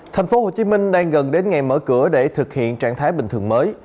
thành phố hồ chí minh đang gần đến ngày mở cửa để thực hiện trạng thái bình thường mới